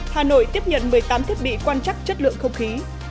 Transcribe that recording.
hà nội tiếp nhận một mươi tám thiết bị quan trắc chất lượng không khí